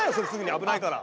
危ないから。